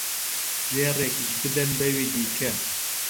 زێڕێکیش بدەن بەوی دیکە